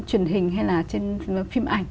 truyền hình hay là trên phim ảnh